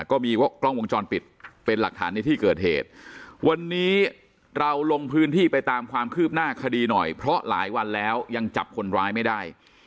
ก็มีกล้องวงจรปิดเป็นหลักฐานในที่เกิดเหตุวันนี้เราลงพื้นที่ไปตามความคืบหน้าคดีหน่อยเพราะหลายวันแล้วยังจับคนร้ายไม่ได้